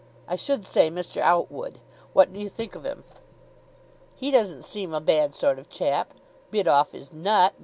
I should say Mr. Outwood. What do you think of him?" "He doesn't seem a bad sort of chap. Bit off his nut.